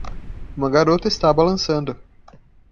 Uma garota está balançando.